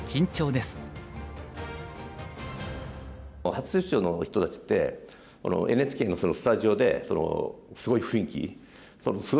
初出場の人たちってＮＨＫのスタジオですごい雰囲気。